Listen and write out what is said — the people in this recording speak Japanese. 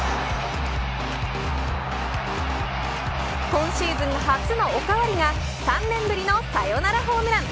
今シーズン初のおかわりが３年ぶりのサヨナラホームラン。